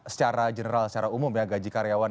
secara general secara umum ya gaji karyawan